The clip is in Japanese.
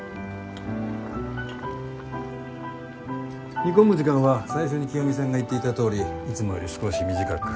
煮込む時間は最初に清美さんが言っていたとおりいつもより少し短く。